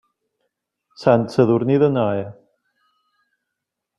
Sant Sadurní d'Anoia.